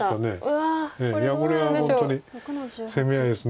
いやこれは本当に攻め合いです。